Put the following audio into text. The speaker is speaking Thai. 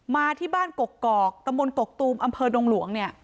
มาที่บ้านกกอกตะมนต์กกตูมอำเภอดงหลวงเนี่ย